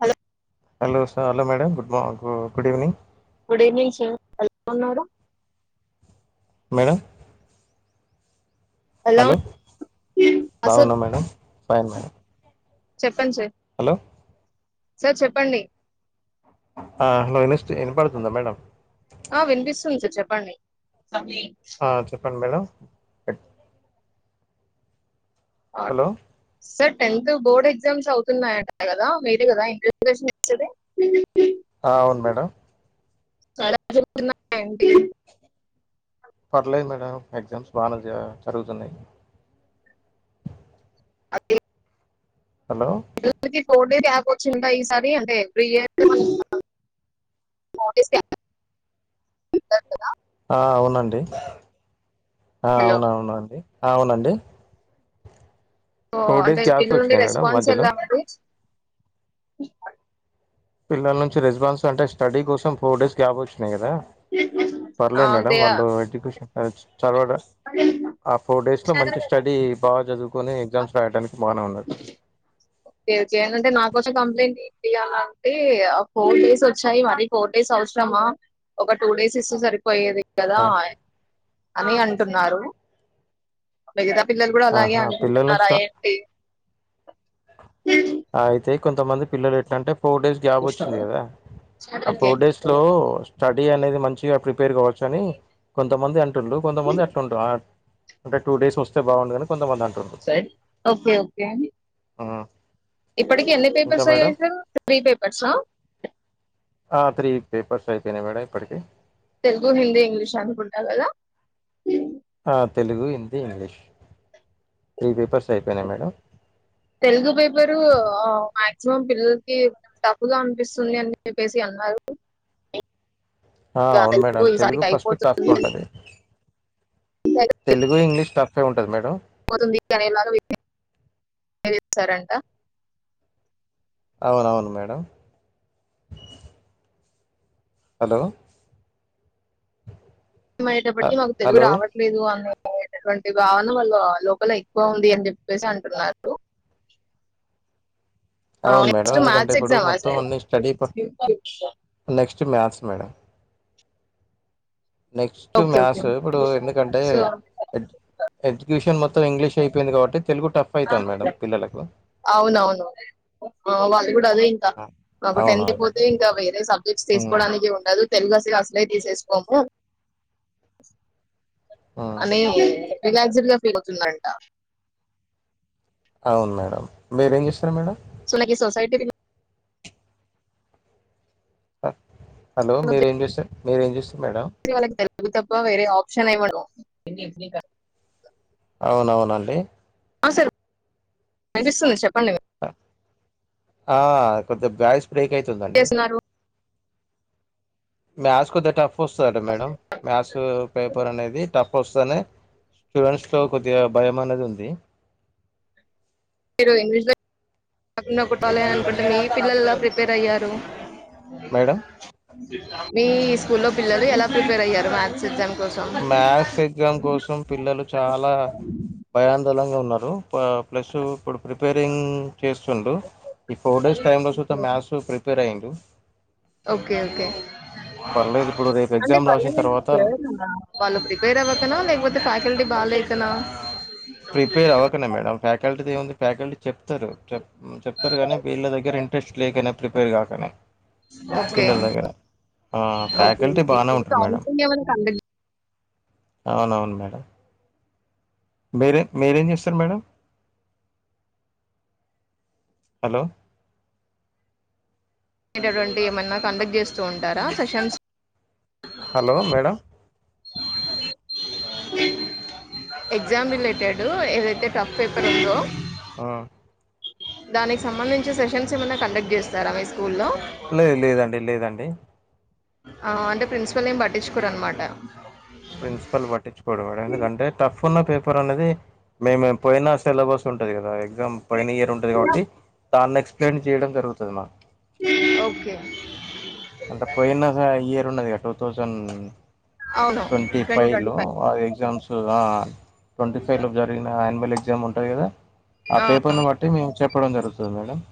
Hello hello sir hello madam good morning good good evening good evening sir ఎల ఉన్నారు madam ఎలా hello ఉంది ఆ, సార్ బావున్న మేడం ఫైన్ మేడం చెప్పండి సార్ హలో సార్ చెప్పండి ఆ హలో ఇనిస్ట్ ఇంపడుతుందా మేడం ఆ వినిపిస్తుంద్ సార్ చెప్పండి ఆ చెప్పండి మేడం ఎట్ ఆట్ hello sir tenth board exams అవుతున్నాయట కదా మీరే కదా ఇంటర్గేషన్ ఇచ్చేది ఆ అవును మేడం ఎలా జరుగుతున్నాయి అండి పర్లేద్ మేడం ఎగ్జామ్స్ బానే జా జరుగుతున్నయి అదే పిల్లలకి ఫోర్ డే యాప్ వొచ్చిందా ఈసారి అంటే త్రియర్ నోటీసు గదా ఆ అవునండి ఆ హలో అవునవును అవునండి ఓ ఫోర్ డేస్ అంటే గ్యాప్స్ పిల్లలనుండి వచ్చినాయి మేడం రెస్పన్స్ల్ మధ్యలో ఎలా అండి పిల్లల్నుంచి రెజ్బాన్స్ అంటే స్టడీ కోసం ఫోర్ డేస్ గ్యాపొచ్చినయి గదా పర్లే ఆ, మేడం వాళ్ళు ఎడ్యుకేషన్ ఎజ్ చదవ ఆ ఫోర్డేస్లో మంచి స్టడీ బా చదువ్ కొని ఎగ్జామ్స్ రాయటానికి బాన్ ఒకే ఒకే ఏంటింటే నా వచ్చిన కంప్లైంట్ ఇ యాలంటే ఆ ఫోర్డేస్ వొచ్చాయి మరి ఫోర్ డేస్ అవసరమా ఒక టూ డేస్ ఇస్తే సరిపోయేది గదా ఆ అని అంటున్నారు మిగతా పిల్లలు గూడా అలాగే ఆహా పిల్లల నుంచి కా అనుకుంటున్నారేంటి అయితే కొంతమంది పిల్లలెట్లాంటే ఫోర్ డేస్ గ్యాపొచ్చింది గదా ఆ ఓకే ఫోర్డేస్ లో స్టడీ అనేది మంచిగా ప్రిపేర్ కావచ్ చని కొంతమంది అంటుర్లు కొంతమంది అట్లుంట అంటే టూ డేస్ వొస్తే బాగుండుగనీ కొంతమంది ఆంట్ ఒకే ఒకే ఉమ్ ఇప్పటికీ ఎన్ని పేపర్స్ అయ్యాయి సార్ త్రీ పేపర్స ఆ త్రీ పేపర్స్ అయిపెయినయ్ మేడం ఇప్పటికి తెలుగు, హిందీ, ఇంగ్లీష్ అనుకుంటా గదా ఆ Telugu, Hindi, English three papers అయిపెయినయ్ మేడం తెలుగు పేపరు మాక్సిమం పిల్లల్కి టఫ్ గా అనిపిస్తుంది అని జెప్పేసి అం అన్నారు [inaudible] ఆ అవును మేడం తెలుగు ఈసారికి ఫస్ట్ టఫ్ఫ్ అయిపోతుంది ఉంటది తెలుగు, ఇంగ్లీష్ టఫ్య్ ఉంటది మేడం పోతుంది కానీ సారంట అవునవును మేడం ఆలో అ మయ్యేటప్టకీ మాకు తెలుగు హలో రావట్లేదు అనే టువంటి భావన వాళ్ళ లోపల ఎక్కువ ఉంది అంజెప్పేసి అంటున్నారు అవును మేడం నెక్స్ట్ ఎందుకంటే మ్యాథ్స్ ఇప్పుడు ఎగ్జామా మొత్తం సార్ అన్ని study for next maths madam next okay okay maths ఇప్పుడు ఎందుకంటే సో ఎ ఎడ్యుకేషన్ మొ ఇంగ్లీష్ అయిపోయింది కాబట్టి తెలుగు టఫ్ అయితన్దంట పిల్లలకు అవునవును వాళ్ళు కూడా అదే ఇంకా ఆ! మాకు టెన్త్ అవునవును మేడం పోతే ఇంకా వేరే సబ్జెక్ట్స్ హ్మ్. తీసుకోవడానికి ఉండదు తెలుగు అస్లె అసలే తీసేసుకోము హ్మ్. అనే రిలాక్స్యిడ్ గా ఫీల్ అవుతుందంట అవును మీరెం చేస్తరు మేడం సొనకి సోసైటీది హలో మీరేం చేస్తార్ మీరేం చేస్తారు మేడం అది తప్ప వేరె ఆప్షన్ ఏం ఉండవ్ అవునవునండి అ సార్ వినిపిస్తుంది చెప్పండి ఏం ఆ కొద్దిగా బ్యాస్ బ్రేక్ అయితుందండి చేస్తున్నారు మ్యాథ్స్ కొద్దిగా టఫ్ వస్థాదట మేడం మ్యాథ్స్ పేపర్ అనేది టఫ్ ప్పోస్తెనే స్టూడెంట్స్ లో కొద్దిగా భయం అనేది ఉంది మీరు [unintelligible] మీ పిల్లలు ఎలా ప్రిపేర్ అయ్యారు మేడం మీ స్కూల్ లో పిల్లలు ఎలా ప్రిపేర్ అయ్యారు మ్యాథ్స్ ఎగ్జామ్ కోసం మ్యాథ్స్ ఎగ్జామ్ కోసం పిల్లలు చాలా భయందోలంగ ఉన్నరు ప ప్లస్ ఇప్పుడు ప్రెపెరింగ్ చేస్తుండు ఈ ఫోర్ డేస్ టైమ్ లో సుతం మ్యాథ్స్ ప్రిపేర్ అయిండు ఓకే ఓకే ఇప్పుడు రేపు అంటే ఎగ్జామ్ రాసిన భయం ఏంద్ తర్వాత క్ సార్ వాళ్లు ప్రిపేర్ అవ్వకన లేకపోతే ఫ్యాకల్టీ భలేకనా ప్రిపేర్ అవ్వకనే మేడం ఫ్యాకల్టీది ఏముంది ఫ్యాకల్టీ చెప్తరు మ్ చెప్తరు కానీ వీళ్ల దగ్గర ఇంట్రెస్ట్ లేకనే ప్రిపేర్ గాకనే ఓకే ఓకే ఫ్యాకల్టీ ఓకే బానే ఉంటారు మేడం [unintelligible] కండక్ట్ అవునవును మేడం మీరే మీరేం చేస్తరు మేడం హలో అటువంటి ఏమన్న కండక్ట్ చేస్తూ ఉంటార questions hello madam exam related ఏదైతే టఫ్ పేపర్ ఉందో ఆ దానికి సంబంధించి సెషన్స్ ఏమైన్న కండక్ట్ చేస్తారా మీ స్కూల్లో లేదు లేదండి లేదండి ఆ అంటే ప్రిన్సిపాల్ ఏం పట్టించుకోరాన్ మాట ప్రిన్సిపాల్ పట్టించుకోడు మేడమ్ ఎందుకంటే టఫ్ ఉన్న పేపర్ అనేది మేమెం పోయిన సిలబస్ ఉంటది గాద ఎగ్జామ్ పైన ఇయర్ ఉంటది కాబట్టి దాన్ని ఎక్స్ప్లెయిన్ చేయడం జరుగుతది మ ఓకే ఉన్నది గ టూ థౌజండ్ అవును. ట్వెంటీఫైవ్ లో అది ఎగ్జామ్స్ త్ ఆ ట్వెంటీఫైవ్ లో జరిగిన యాన్యూవల్ ఎగ్జామ్ ఉంటది గదా ఆ పేపర్ ను బట్టి మేము చెప్పడం జరుగుతది మేడమ్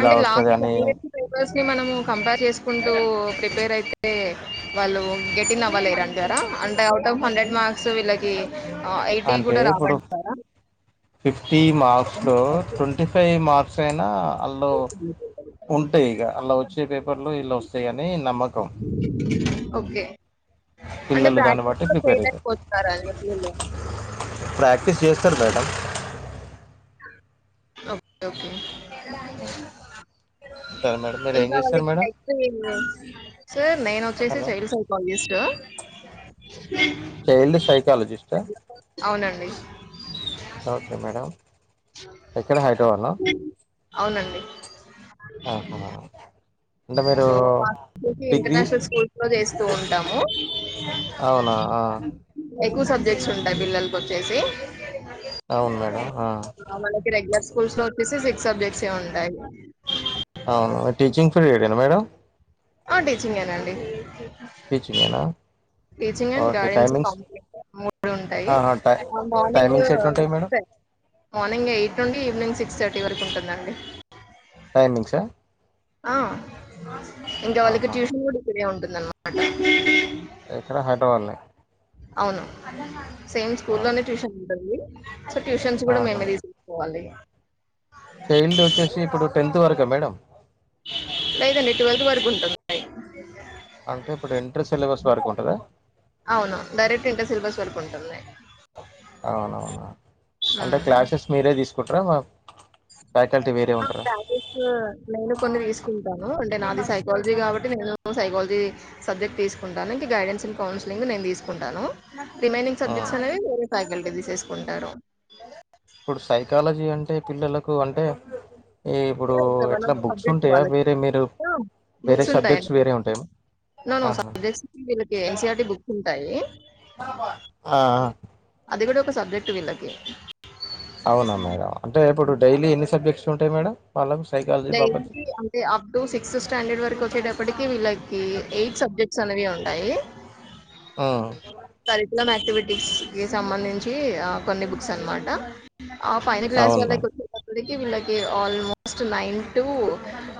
అంటే లాస్ట్ వన్ ఇయర్స్ పేపర్స్ ని మనం కంపేర్ చేసుకుంటూ ప్రిపేర్ అయిత్ తే వాళ్ళు గెట్ ఇన్ అవ్వలేరంటార అంటే అవుట్ ఆఫ్ హండ్రెడ్ మర్క్స్ వీళ్లకి ఆ ఎయిటీ అంటే కూడ ఇప్పుడు రావంటారా ఫిఫ్టీ మార్క్స్ లో ట్వెంటీఫైవ్ మార్క్స్ అయినా హల్లో ఉంటాయ్ ఇగ అలా వచ్చే పేపర్లో ఇలా వస్తయని నమ్మకం ఓకే అంటే పిల్లలు దాన్ని బ్రాకెట్ బట్టి లో చేయ్ ప్రిపేర్ లేక్ అవుతారు పొతున్నర [unintelligible] టల్ ప్రాక్టీస్ చేస్తారు మేడం ఓకే ఓకే సరే మేడం మీరు ఏం ఇంకా చేస్తారు వాళ్ళక్ మేడం [unintelligible] సార్ నేనొచ్చేసి hello child psychologist child psychologist అవునండి. ఓకే మేడం ఎక్కడ హైదరాబాద్ లో అవునండి ఆహా అంటే మీరు సో [unintelligible] డిగ్రీ ఇంటర్నేషనల్ స్కూల్స్ లో జెశ్ స్తూ ఉంటాము అవునా ఆ, ఎక్కువ్ సబ్జెక్ట్స్ ఉంటాయ్ పిల్లల కోచ్చేసి అవును మేడం అ పుల్స్ లో ఒచ్చేసి బి అవును టీచింగ్ ఫిల్డ్ [unintelligible] మేడం ఆ టీచింగేనాండి టీచింగేనా teaching and okay guidance timings complete మొ ఉంటయి ఆహా టై అ మార్నింగు టైమింగ్స్ ఎట్లుంటాయి మేడం చ మార్నింగ్ ఎయిట్ నుండి ఇవ్నీంగ్ సిక్స్ థర్టీ వరకు ఉంటుందండి టైమింగ్సా ఆ ఇంకా వాళ్ళకి ఆహా ట్యూషన్ కూడి ఇక్కడే ఉంటుందన్న్మాట ఎక్కడ హైద్రబాద్ ల్నే అవ్ను సేమ్ స్కూలోనే ట్యూషన్ ఉంటుంది సో ట్యూషన్స్ గుడ మేమే తీసుకోవాలి ఇగ చైల్డోచ్చేసి ఇప్పుడు టెన్త్ వరక మేడం లేదాండి ట్వీల్వ్త్ వరుకుంటుది టైం అంటే ఇప్పుడ్ ఇంటర్ సిలబస్ వరకు ఉంటదా అవును డైరెక్ట్ ఇంటర్ సిలబస్ వరకు ఉంటుంది అవునవున అంటే క్లాసెస్ మీరే తీస్ కుట్ర మా ఫ్యాకల్టీ వేరే అ ఉంటారా క్లాస్సేసు నేను కొన్ని తిస్కుంటాను అంటే నాది సైకాలజీ కాబట్టి నేను సైకాలజీ సబ్జెక్ట్ తీస్కుంటను ఇంక గైడెన్సింగ్ కౌన్సిలింగ్ నేన్ తీస్ టాను రిమైనింగ్ హ్మ్. సబ్జక్ట్స్ అనేవి వేరే ఫకల్టీ తీసెస్కుంటారు ఇప్పుడు సైకాలజీ అంటే పిల్లలక్ కు అంటే అంటే ఇప్పుడు ఇక్కడ మనం ఎట్లా బుక్స్ సబ్జెక్ట్ ఉంటాయా వాళ్ళకి వేరే మీరు వేరే సబ్జెక్ట్స్ వేరే ఉంటాయ నోనో సబ్జెక్ట్స్ కి వీళ్ళకి ఎన్సిఆర్టీ బుక్స్ ఉంటాయి ఆ! ఆ! అది కూడా ఒక సబ్జెక్ట్ వీళ్ళకి అవ్నా మేడం అంటే ఇప్పుడు హ్మ్. డైలీ ఎన్ని సబ్జెక్ట్స్ ఉంటాయ్ మేడం వాళ్ళకు సైకాలజీ బాపతి డైలీ అంటే అప్ టు సిక్స్త్ స్టాండర్డ్ వరకు వచ్చేటప్టికి వీళ్ళక్ కి ఎయిట్ సబ్జెక్ట్స్ అనేవి ఉంటాయి ఉమ్ కార్కులం క్టివిటీస్కి సంబంధించి అ కొన్ని బుక్స్ అన్మాట ఆ ఫైనల్ క్లాస్ అవును మేడం వాళ్లకోచేటప్పడ్కి వీళ్ళకి ఆల్మో స్ట్ నైన్ టు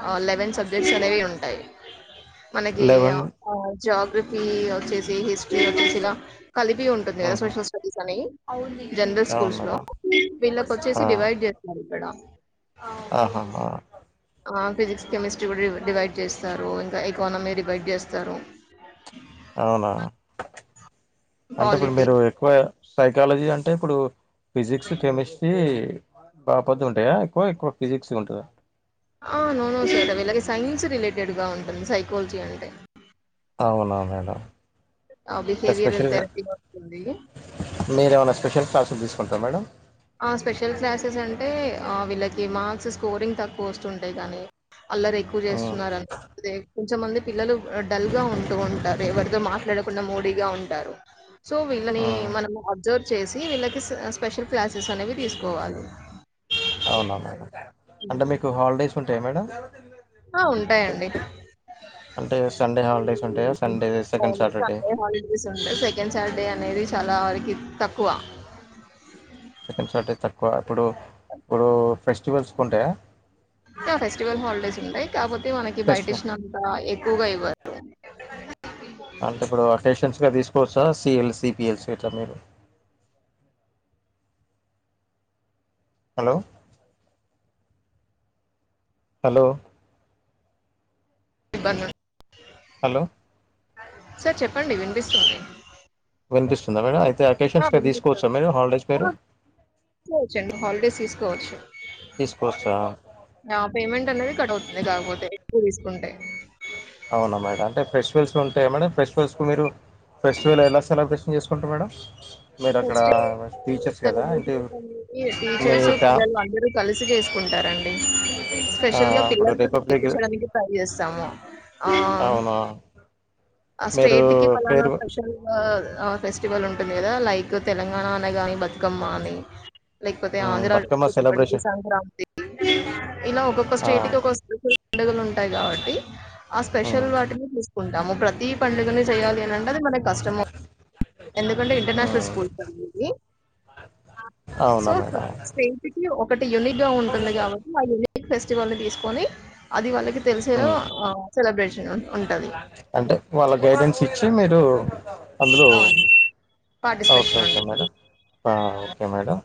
అ లెవెన్ సబ్జెక్ట్స్ అనేవి ఉంటాయ్ మనకి అ లెవెన్ అ జోగ్రఫీ ఒచ్చేసి హిస్ట్రీ ఒచ్చేసి ఇలా కలిపి ఉంటుంది కదా ఉహు సోషల్ స్టడీస్ అని జన్రల్ అవును స్కూల్స్ లో మేడం వీళ్ళకోచ్చేసి ఆ డివైడ్ చేస్తరిక్కడ ఆహా హ ఆ ఫిజిక్స్ కెమిస్ట్రీ కూడా డివైడ్ చేస్తారు ఇంకా ఎకానమీ డివైడ్ చేస్తారు అవునా అంటే ఇప్పుడు పాలిటీ మీరు ఎక్కువ సైకాలజీ అంటే ఇప్పుడు ఫిజిక్స్ కెమిస్ట్రీ బా పెద్దగుంటయ ఎక్కువ ఎక్కువ ఫిజిక్స్ ఉంటదా ఆ నోనో సర్ వీలాగ సైన్స్ రిలేటెడ్ గా ఉంటుంది సైకాలజీ అంటే అవునా మేడం ఆ! అంటే బిహేవియరల్ స్పెషల్గా థెరపీ వస్తుంది. మీరేమన్న స్పెషల్ క్లాసు తీస్ ఒకే మేడం ఆ స్పెషల్ క్లాసెస్ అంటే వీళ్ళకి మార్క్స్ స్కోరింగ్ తక్కువోస్తుంటయ్ కనీ అల్లరి ఎక్కువ ఉమ్ చేస్తున్నార దే కొంచమంది పిల్లలు డల్ గా ఉంటూ ఉంటారు ఎవరితో మాట్లాడకుండా మూడీగా ఉంటారు సో వీళ్ళని ఉమ్ మనం అబ్జర్వ్ చేసి వీళ్ళకి స్ స్పెషల్ క్లాసెస్ అనేవి తీసుకోవాలి అవునా మేడం అంటే మీకు హాల్డేస్ ఉంటాయ మేడం ఆ ఉంటాయండి బ్లాంక్ అంటే సండే హాలిడే ఉంటయా Sunday second only Saturday Sunday holidays ఉంటాయి. సెకండ్ సాటర్‌డే అనేది చాలా వరకి తక్కువ సెకండ్ సార్డే తక్కువ ఇప్పుడు ప్పుడు ఫెస్టివల్స్ కుంటయ ఫెస్టివల్ హాలిడేస్ ఉంటయి కాబోతే మనకి ఫెస్టివల్ బయటిచ్చినంత ఎక్కువగా ఇవ్వరు బ్లాంక్ అంటే ఇప్పుడు అకేషన్సలా తీసుకోవచ్చా సిఎల్ సిపిఎల్స్ హలో హలో ఇబ్బందుం హలో సర్ చెప్పండి వినిపిస్తుంది వినిపిస్తుందా మేడం అయితే ఆ! అకేషన్స్ కి వెళ్ళొచ్చాను. తీసుకోవచ్చా మీరు హాలిడేస్ మీరు ఆ! కోచ్చు తీసుకోవచ్చా ఆ పేమెంట్ అనేది కట్టవుతుంది లేకపోతే ఎక్కువ తీసుకుంటే అవునా మేడం అంటే ఫెసిటివల్స్ ఉంటాయ మేడం ఫెసిటివల్స్ కు మీరు ఫెస్టివల్ ఎలా సెలబ్రే షన్ చేసుకుంట్రూ మేడం మీరు అక్కడ ఫెస్టివల్ టీచర్స్ కదా అంటే సెలబ్రేషన్ అనేవి మీ టీచర్స్ ఫ్యా పిల్లలు అందరు కలిసిచేస్కు కుంటారండి ఆ స్పెషల్ గా ఇప్పుడు పిల్లలతో రిపబ్లిక్ చేపించడానికి ట్రై చేస్తాము ఆ అవునా ఆ మీరు స్టేట్ కి పలానా పేరు స్పెషల్ ఆ ఫెస్టివల్ ఉంటుంది కదా లైక్ తెలంగాణ అనగానే బతుకమ్మ అని లేకపోతే ఆంధ్రా బతుకమ్మ [unintelligible] సెలబ్రేషన్ సంక్రాంతి ఇలా ఒక్కొక్క ఆ స్టేట్ కి ఒకొ డిఫరంట్ పండుగలుటాయ్ కాబ ట్టి ఆ స్పెషల్ ఉమ్ వాటిని తీసుకుంటాము ప్రత్ పండుగనే చేయాలి అని అంటే అది మనకు కష్టమ ఎందుకంటే ఇంటర్నేషనల్ స్కూల్ [inaudible] ఇది అవునా సో మేడం స్టేట్ కి ఒకటి యూనిట్గా ఉంటుంది కాబట్టి వాళ్లు ఫెస్టివల్ని తీసుకొని అది వాళ్ళకి తెలిసేలో ఆ సెలబ్రేషన్ ఉంటది అంటే వాళ్ళ గైడెన్స్ ఇచ్చి మీరు అందులో అవును. ఓకే పార్టిసిపేషన్ ఓకే ఉంటుంది. మేడం ఆ okay madam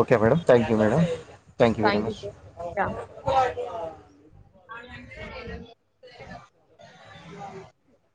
okay madam thank you madam thank you very much blank